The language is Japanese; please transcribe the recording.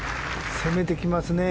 攻めてきますね。